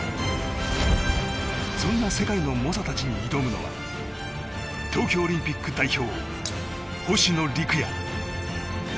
そんな世界の猛者たちに挑むのは東京オリンピック代表星野陸也。